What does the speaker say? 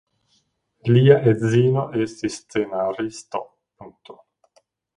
Lia edzino estis scenaristo.